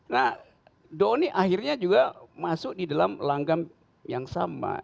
nah doni akhirnya juga masuk di dalam langgam yang sama